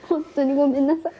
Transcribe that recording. ごめんなさい。